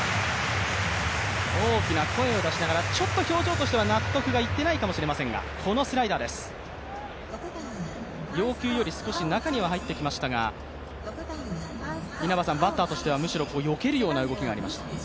大きな声を出しながらちょっと表情としては納得がいってないかもしれませんが、このスライダーです、要求より少し中には入ってきましたがバッターとしてはむしろよけるような動きがありました。